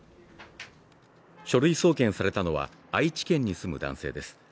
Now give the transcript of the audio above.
書類送検されたのは愛知県に住む男性です